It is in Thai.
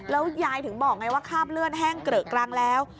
แล้วยายถึงบอกไงว่าคราบเลือดแห้งเกลอะกรังแล้ว